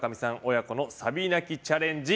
親子のサビ泣きチャレンジ